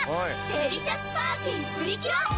デリシャスパーティプリキュア！